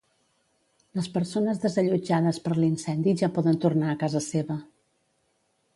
Les persones desallotjades per l'incendi ja poden tornar a casa seva.